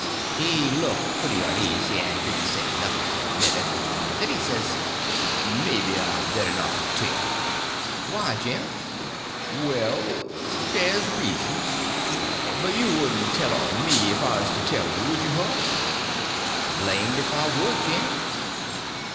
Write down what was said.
He looked pretty uneasy, and didn't say nothing for a minute. Then he says: "Maybe I better not tell." "Why, Jim?" "Well, dey's reasons. But you wouldn' tell on me ef I uz to tell you, would you, Huck?" "Blamed if I would, Jim."